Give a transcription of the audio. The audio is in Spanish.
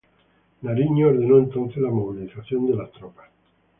Nariño ordenó entonces la movilización de las tropas.